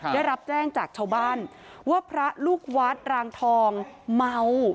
ได้รับแจ้งจากชาวบ้านว่าพระลูกวัดรางทองเมา